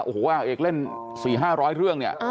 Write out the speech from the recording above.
โอ้โฮเอกเล่นสี่ห้าร้อยเรื่องนี่